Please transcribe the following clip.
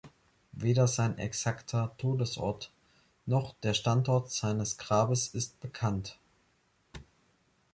Weder sein exakter Todesort, noch der Standort seines Grabes ist bekannt.